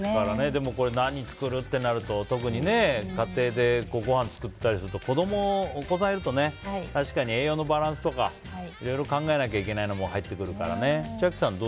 でも何作るとなると特に家庭でごはん作ったりするとお子さんがいると確かに栄養のバランスとかいろいろ考えなきゃいけないのも入ってくるからね。